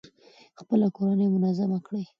خپله کورنۍ منظمه کړئ.